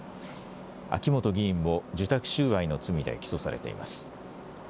秋本議員も受託収賄の罪で起訴されています。